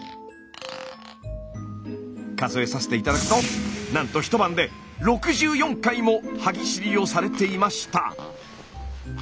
数えさせて頂くとなんと一晩で６４回も歯ぎしりをされていました。